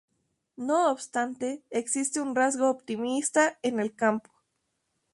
No obstante, existe un rasgo optimista en el campo.